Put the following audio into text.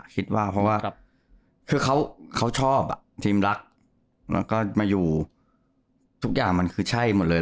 คิดว่าเพราะว่าคือเขาชอบทีมรักแล้วก็มาอยู่ทุกอย่างมันคือใช่หมดเลย